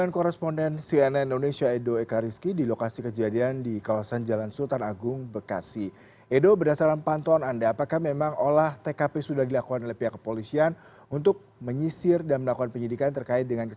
kecelakaan ini merenggut sepuluh nyawa termasuk empat di antaranya adalah anak anak